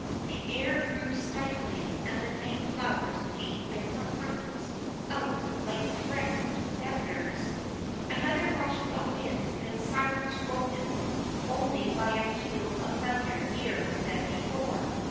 The air grew stifling, and the night flowers paid their perfumes out like threatened debtors. Another rush of wind, then silence broken only by a peal of thunder nearer than before.